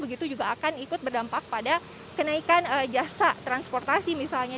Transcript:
begitu juga akan ikut berdampak pada kenaikan jasa transportasi misalnya